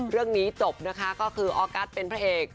เรื่องนี้จบนะคะก็คือออกัสเป็นพระเอก